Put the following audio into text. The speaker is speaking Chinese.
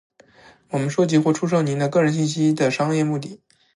我们收集或出售您的个人信息的商业目的；